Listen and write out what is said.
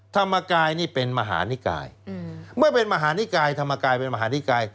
ธรรมกายนี่เป็นมหานิกายเมื่อเป็นมหานิกายธรรมกายเป็นมหานิกาย